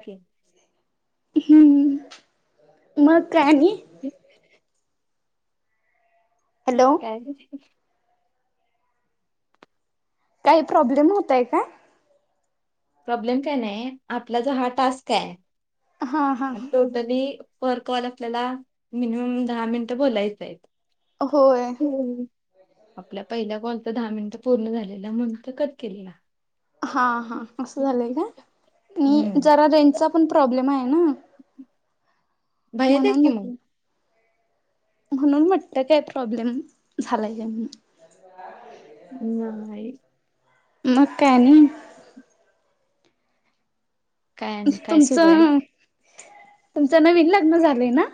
आहे. हम्म, मग काय आणि? [unintelligible] हॅलो. काय नाही. काय प्रॉब्लेम होतंय का? प्रॉब्लेम काय नाही आपला जर हा टास्क आहे. हा हा अन् तू [unintelligible] पर कॉल आपल्याला मिनिमम आपल्याला दहा मिनिटं बोलायचं आहे. होय. हम्म. आपल्या पहिल्या कॉलचं दहा मिनिटं पूर्ण झालेला म्हणून तो कट केलेला. हा हा असं झालंय का? आणि हम्म जरा रेंजचा पण प्रॉब्लेम आहे ना? बाहेर या म्हणून कि मग. म्हटलं म्हणून म्हटलं काय प्रॉब्लेम झालाय का म्हणून. नाही. मग काय आणि? काय आणि काय सुरू आहे तुमचं, तुमचं नवीन लग्न झालंय ना?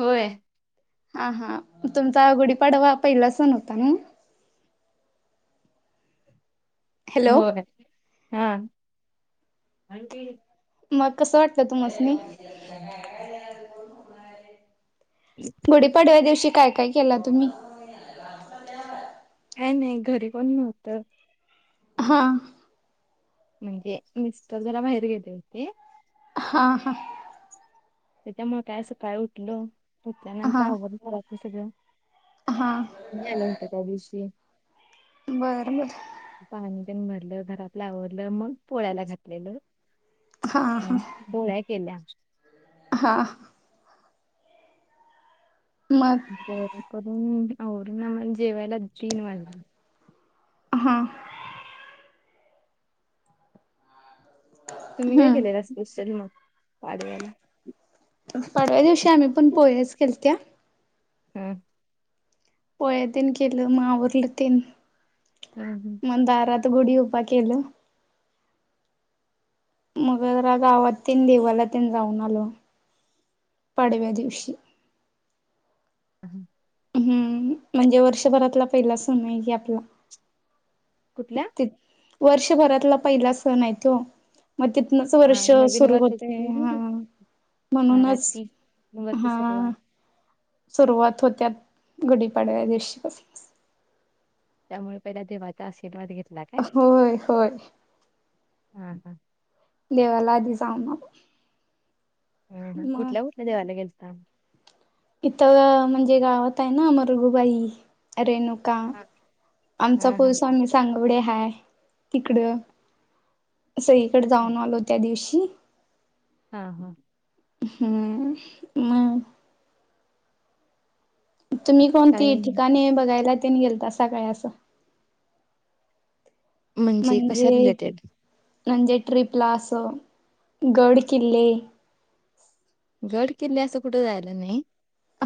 होय. हा हा तुमचा गुढीपाडवा पहिला सण होता न? हॅलो होय हा. मग कसं वाटत तुम्हासनी? [inaudible] [inaudible] गुढीपाडव्या दिवशी काय काय केला तुम्ही? काय नाही घरी कोण नव्हतं. हां. म्हणजे मिस्टर जरा बाहेर गेले होते. हां हां. त्याच्यामुळे काय सकाळी उठलो त्याच्या नंतर आवरलं घरातलं सगळं. हां. मी आले होते त्या दिवशी. बरं बर. पाणी ते न भरलं, घरात आवरलं मग पोळ्याला घातलेलं. हा हा हम्म पोळ्या केल्या. हा. मग? पोळ्या करून, आवरून आम्हाला जेवायला तीन वाजले. हां. तुम्ही काय हम्म केलेलं अस असल मग पाडव्याला? पाडव्या दिवशी आम्ही पण पोळ्याच केलत्या. हम्म. पोळ्या तेन केलं मग आवरल तेन. हम्म हम्म. मग दारात गुढी उभा केलं. मग जरा गावात तेन देवाला तेन जाऊन आलो पाडव्या दिवशी. [inaudible] हम्म म्हणजे वर्षभरातला पहिला सणय ही आपला. कुठला? वर्षभरातला पहिला सणय त्यो. मग तिथनच हा वर्ष नवीन सुरु होतय वर्षाची हां. म्हणूनच मराठी वर्ष हा. सुरुवात सुरुवात होत्यात गुडीपाडव्या दिवशीपासून. त्यामुळे पहिला देवाचा आशीर्वाद घेतला. काय होय होय. हा हा. देवाला आधी जावुन आलो. हम्म हम्म मग कुठल्या, कुठल्या देवाला गेलता? इथं म्हणजे गावात आहे ना मरगुबाई रेणू का हा आमचा हा हा कुलस्वामी सांगवडे हाय तिकडं. सगळीकडं जाऊन आलो त्या दिवशी. हां हां. हम्म मग? तुम्ही काय कोणती ठिकाणे बघायला तेन गेलतासा काय असं? कशा म्हणजे, रिलेटेड म्हणजे? ट्रिपला असं गड, किल्ले गड, किल्ले असं कुठं जायला नायी,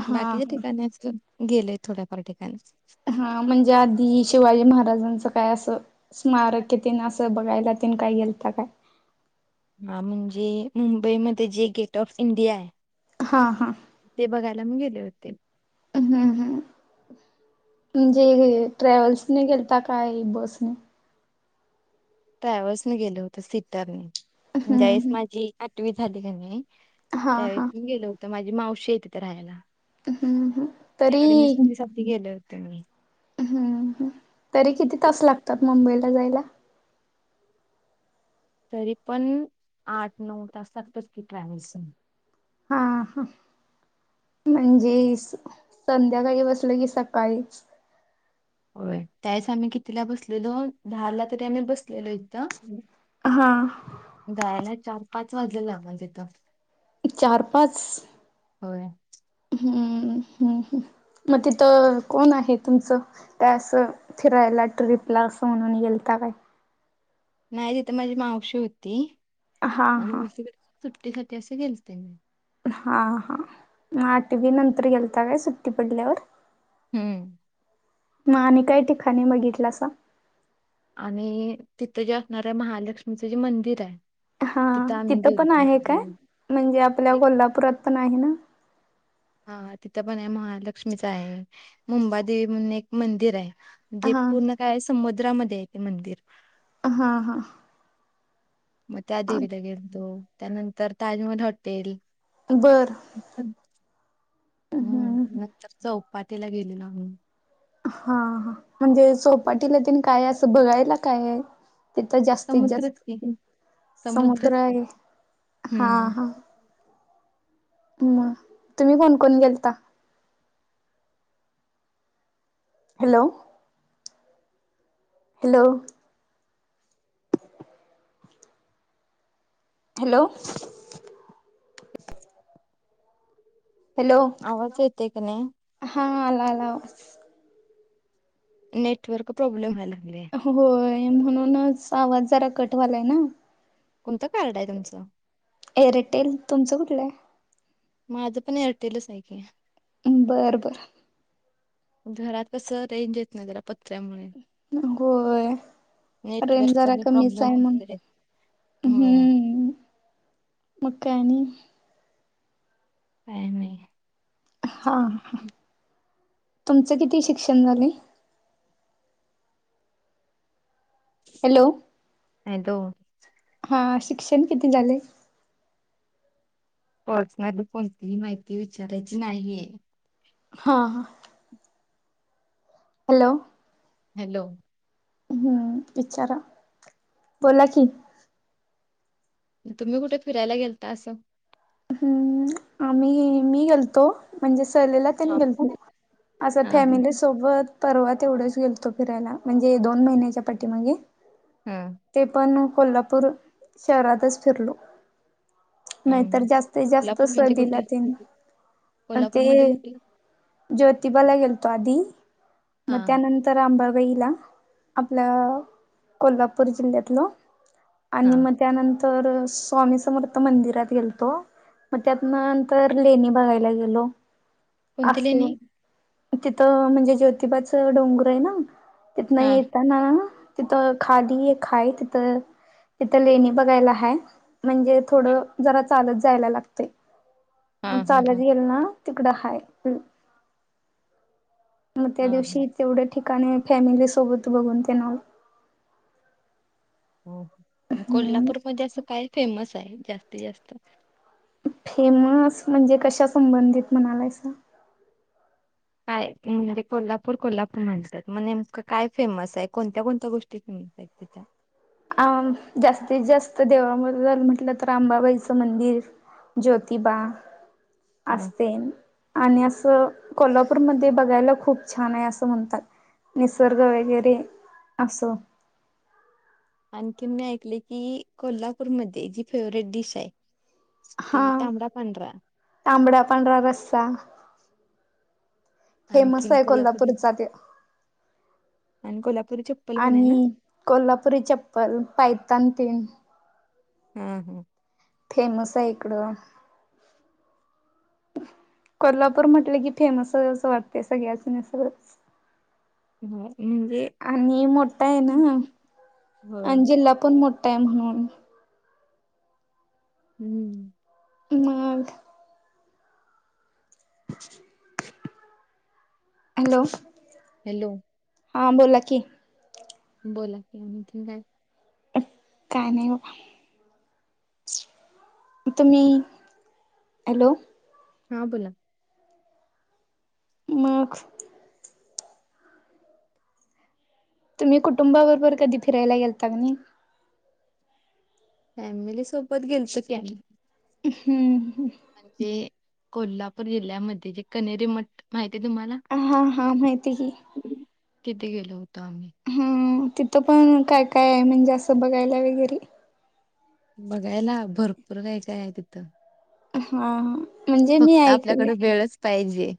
हा बाकीच्या ठिकाणी आसं गेलोय थोड्याफार ठिकाणीच हा म्हणजे आधी शिवाजी महाराजांचं काय असं स्मारकंन तेन असं बघायला तेन काय गेलता काय? हा म्हणजे मुंबई मध्ये जे गेट ऑफ इंडिया? हा हा ते बघायला मी गेले होते हम्म हम् म्हणजे ट्रॅव्हल्सने गेलता काय, बस नी? ट्रॅव्हल्सने गेले होतो सीटरने, हम्म ज्यावेळेस हम्म माझी आठवी झाली कनय हा त्यावेळेत हा मी गेलो होतो. माझी मावशीय तिथं राहायला हम्म हम्म तरी याकडे [unintelligible] गेले होते मी हम्म, तरी किती तास लागतात मुंबईला जायला? तरी पण आठ, नऊ तास लागतात की ट्रॅव्हल्स नी हा हा म्हणजे संध्याकाळी बसलं की, सकाळीचं होय, त्यावेळेस आम्ही कितीला बसलेलो? दहाला तरी आम्ही बसलेलो इथं हा जायला चार, पाच वाजलेलं आम्हाला तिथं चार, पाच? होय हम्मं म तिथं कोण आहे तुमचं? त्यां आसं फिरायला, ट्रिपला असं म्हणून गेलता काय? नाय तिथं माझी मावशी होती, हा हा मावशीकडं सुट्टीसाठी असं गेलते मी हा हा म आठवी नंतर गेलता काय सुट्टी पडल्यावर? हम्म म आणि काय ठिकाणे बघितलासा? आणि तिथं जे असणाऱ्या महालक्ष्मीचं जे मंदिरय? हा तिथं पण आहे काय? म्हणजे आपल्या एक- कोल्हापुरात पण आहे ना? हा तिथं पणय महालक्ष्मीचय, मुंबादेवी म्हणून एक मंदिरय जे हा पूर्ण काय समुद्रामध्येय ते मंदिर हा हा मग त्या देवीला गेलतो, त्यानंतर ताजमहल हॉटेल बरं हम्म, नंतर चौपटीला गेलेलो आम्ही हा हा म्हणजे चौपाटीला तेन काय असं बघायला कायय? तिथं जास्तीत जास्त समुद्रच की समुद्रच की. समुद्रय, हा हम्म. हा म तुम्ही कोण कोण गेलता? हॅलो! हॅलो! हॅलो! हॅलो! आवाज येतोय की नायी? हा, आला आला आवाज नेटवर्क प्रॉब्लेम व्हाय लागलंय होयं म्हणूनचं आवांज जरां कंट व्ह्यालांय नां. कोणतं कार्ड आहे तुमचं? एरंडेल तुमचं कुठलं हांय? माझं पणं एरटेलचं हांय की अम्मं बरं बरं घरांत कसं रेंज येतं नाहीं जरां प पत्र्यांमुळे होय. रेंज नेटवर्कचां जरा बी कमीच आहे प्रॉब्लेम म्हणून असतोय. होयं मंग कायं कायं नाहीं हां तुमचं किती शिक्षणं झालंय? हॅलो हॅलो हां शिक्षणं किती झालंय पर्सनल कोंणतीही माहिती विचारांची नाहीं. हां हां हां हॅलो हॅलो हम्मं विचारां बोलां कि तुम्हीं कुठं फिरांयला गेलंता असं हम्मं आम्हीं मी गेलतो. म्हणजे सहलीला हा तेनं गेलतो असं हा फॅमिली सोबतं पर्वा तेवढंच गेलतो फिरायला म्हणजे दोन महिन्यांच्या पाटी मागें हम्मं ते पणं कोल्हापूर शहरांतचं फिरलो हम्म नाहींतरं जास्तं जास्तं कोल्हापूर म्हणजे सहलीला कुठे तेनं तरं ते कोल्हापूरमध्ये कुठे ज्योतिबांला गेलोतो आंधी हा मगं त्यानंतर तरं अंबाबाईला आपल्यां कोल्हापूर जिल्ह्यांतल्यां आणि हा मगं त्यांनंतर स्वामी समर्थ मंदिरांत गेलतो. मंग त्यांचं नंतर लेणी बागांयला गेलो. कोणती लेणी असं तिथं म्हणजे ज्योतिबाचं डोंगर आहे नां.? तिथं हा येेतां नां तिथं खांली एक हांय तिथं तिथं लेणी बघांयला हांय. म्हणजे हा थोडं जरां चालतं जायंला लागतंय हा मगं हा चालतं हा गेलं नां तिकडं हांय हम्मं मंग त्यां हा दिवशी तेवढ्यां ठिकांणी फॅमिली सोबतं बघूंन तेनं होईल. कोल्हापूरमध्यें असं कायं फ्रेम्स आहे जास्तीत जास्तं फ्रेम्स म्हणजे कशां संबंधीत म्हणांलाय सां. कायं म्हणजे कोल्हापूर कोल्हापूर म्हणत्यांत मं नेमकं कायं फ्रेम्स हांय कोणंत्या कोणंत्या गोष्टी तिथुंन बॅकतेचां अं जास्तीत जास्तं देवांमध्यें जरं म्हटलं तरं अंबाबाईचं मंदिर. ज्योतिबा हा असं तेनं आणि असं कोल्हापूरमध्यें बघांयला खूंप छांन आहे असं म्हणतांत. निसर्ग वगैरें असं. आणखी मी ऐकले की कोल्हापूरमध्यें जी फेवरेट डिश आहे. ती हा तांबडा, पांढरा. तांबडा, पांढरा रस्सा फेमस आणखीन आहे कोल्हापुरी कोल्हापूरचा त्यो आणि कोल्हापूरी चप्पल पण आहे ना? कोल्हापुरी चप्पल पायतान ते न. हम्म, हम्म. फेमस आहे इकडं. कोल्हापूर म्हटले कि फेमस आहे असं वाटतय सगळ्यासनी अस. हम्म, म्हणजे? आणि मोठा आहे ना होय आणि जिल्हा पण मोठा आहे म्हणून. हम्म. मग. हॅलो. हॅलो. हां बोला की. बोला की [unintelligible] काय नाही व. तुम्ही, हॅलो. हा बोला. मग. तुम्ही कुटुंबा बरोबर कधी फिरायला गेलता का नाही? फॅमिली सोबत गेलत की आम्ही. हम्म, हम्म. आनखी कोल्हापूर जिल्ह्यामध्ये जे कनेरी मठ माहिती आहे तुम्हाला? हा हा माहिती आहे की. तिथे गेलो होतो आम्ही. हम्म, तिथं काय, काय आहे म्हणजे असं बघायला वगैरे. बघायला भरपूर काय, काय आहे तिथं. ह हां. फक्त आपल्याकडे वेळच पाहिजे.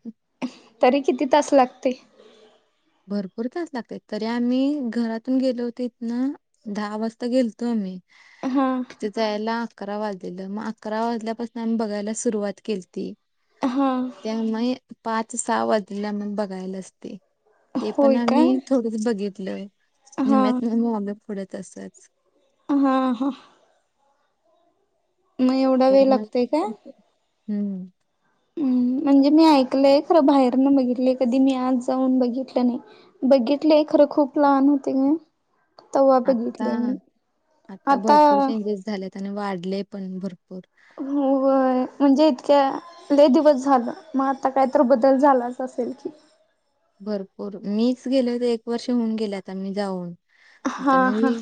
तरी किती तास लागते? भरपूर तास लागते तरी आम्ही घरातून गेलो होते इथन दहा वाजता गेलतो आम्ही. हा. तिथ यायला अकरा वाजलेलं मग अकरा वाजल्यापासन आम्ही बघायला सुरुवात केलती. हा. त्यामुळे पाच, सहा वाजल्यात मग बघायलाच ते. ते पण होय का? आम्ही थोडं बघितलय हा निम्यातून पुढ आलो तसच. हा हा. मग एवढा वेळ लागतोय का? [unintelligible] हम्म. हम्म, म्हणजे मी ऐकलंय खरं बाहेरन बघितलं कधी मी आत जाऊन बघितलं नाही. बघितलेय खरं खूप लहान होते ग. तेव्हा आता बघितलय मी आता भरपूर चेंजेस झालेत आणि वाढलेय पण भरपूर. हो ग. म्हणजे इतक्या लय दिवस झालं मग आता काहीतरी बदल झालाच असेल की. भरपूर मीच गेले होते एक वर्ष होऊन गेले आता मी जाऊन. आता हा हा मी.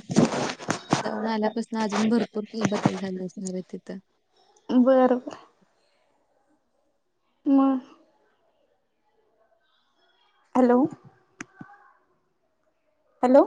जाऊन आल्यापासून अजून भरपूर काही बदल झाला असणार आहे तिथं. बरं बर. म. हॅलो. हॅलो.